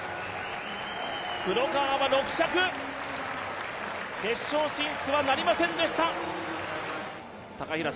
黒川は６着、決勝進出はなりませんでした。